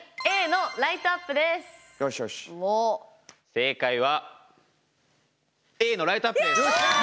正解はＡのライトアップです！